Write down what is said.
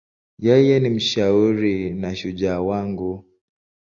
Yeye ni mshauri na shujaa wangu.